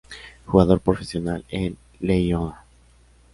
Jugador profesional en el Leioa.